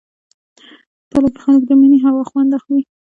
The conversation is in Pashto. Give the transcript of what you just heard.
تله کې خلک د مني هوا خوند اخلي.